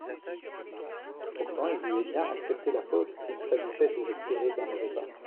Pourtant, il voulait bien accepter la faute, s'il s'agissait de le tirer d'un mauvais pas.